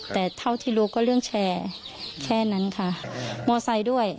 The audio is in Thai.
ค่ะค่ะค่ะค่ะค่ะค่ะค่ะค่ะ